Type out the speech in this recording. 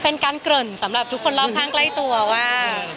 เป็นการเกริ่นสำหรับทุกคนรอบข้างใกล้ตัวว่า